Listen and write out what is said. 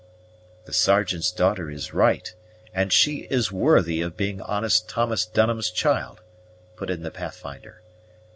"The Sergeant's daughter is right, and she is worthy of being honest Thomas Dunham's child," put in the Pathfinder.